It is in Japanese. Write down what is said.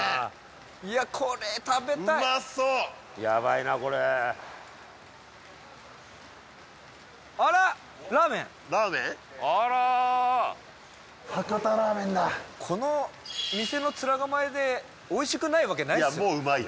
いやこれ食べたいうまそうヤバいなこれ博多ラーメンだこの店の面構えでおいしくないわけないですよ